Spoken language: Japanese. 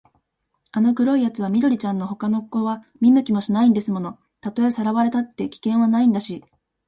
あの黒いやつは緑ちゃんのほかの子は見向きもしないんですもの。たとえさらわれたって、危険はないんだし、